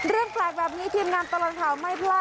เรื่องแปลกแบบนี้ทีมงานตลอดข่าวไม่พลาด